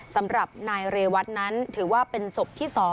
สำหรับนายเรวัตนั้นถือว่าเป็นศพที่๒